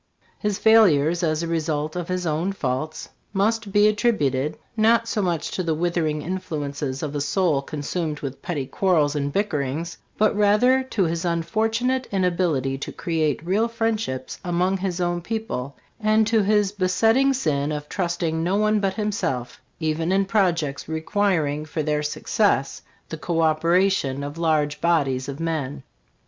His failures, as the result of his own faults, must be attributed, not so much to the withering influences of a soul con sumed with petty quarrels and bickerings, but rather to his unfortunate ina bility to create real friendships among his own people, and to his besetting *JoHN MOSES :" History of Illinois." LA SALLE'S DREAM OF EMPIRE. sin of trusting no one but himself, even in projects requiring for their suc cess the co operation of large bodies of men.